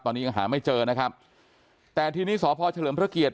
ตอนนี้ยังหาไม่เจอนะครับแต่ทีนี้สพเฉลิมพระเกียรติ